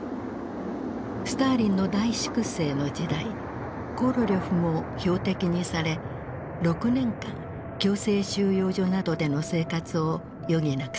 スターリンの大粛清の時代コロリョフも標的にされ６年間強制収容所などでの生活を余儀なくされた。